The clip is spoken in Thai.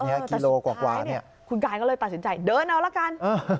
นี่กิโลกว่านี่แต่สุดท้ายคุณกายก็เลยตัดสินใจเดินเอาแล้วกัน